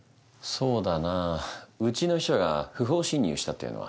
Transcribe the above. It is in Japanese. そうだなうちの秘書が不法侵入したっていうのは？